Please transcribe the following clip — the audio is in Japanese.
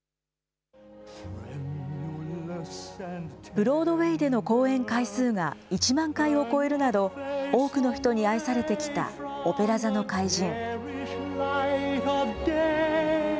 ブロードウェイでの公演回数が１万回を超えるなど、多くの人に愛されてきたオペラ座の怪人。